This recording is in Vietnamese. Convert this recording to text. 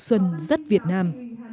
trong cuộc du xuân giấc việt nam